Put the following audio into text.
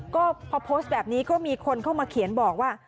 ก็พอโพสต์แบบนี้ก็มีคนเข้ามาเขียนบอกว่า